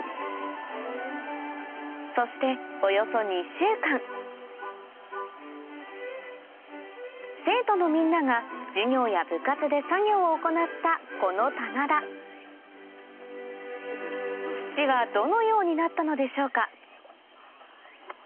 そしておよそ２週間生徒のみんなが授業や部活で作業を行ったこの棚田土はどのようになったのでしょうか？